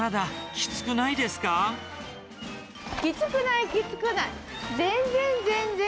きつくない、きつくない、全然、全然。